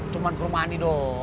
cuman ke rumah ani dong